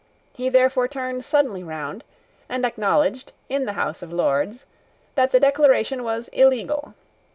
He therefore turned suddenly round, and acknowledged, in the House of Lords, that the Declaration was illegal.